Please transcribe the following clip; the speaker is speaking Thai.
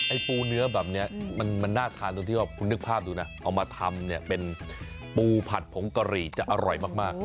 ปูเนื้อแบบนี้มันน่าทานตรงที่ว่าคุณนึกภาพดูนะเอามาทำเนี่ยเป็นปูผัดผงกะหรี่จะอร่อยมาก